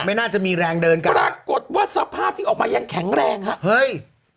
ไม่น่าจะมีแรงเดินกันปรากฏว่าสภาพที่ออกมายังแข็งแรงฮะเฮ้ย